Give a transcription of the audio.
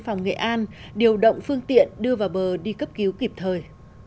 phòng nghệ an điều động phương tiện đưa vào bờ đi cấp cứu kịp thời